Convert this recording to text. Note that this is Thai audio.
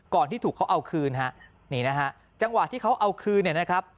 ก่อนที่ถูกเขาเอาคืนนี่นะฮะ